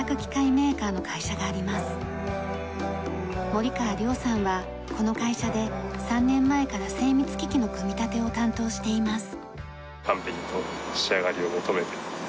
森河諒さんはこの会社で３年前から精密機器の組み立てを担当しています。